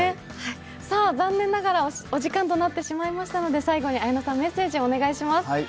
残念ながらお時間となってしまいましたので最後に綾野さん、メッセージをお願いします。